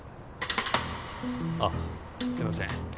あっすいません